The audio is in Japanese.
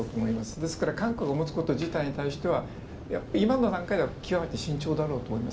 ですから韓国が持つこと自体に対しては今の段階では極めて慎重だろうと思います。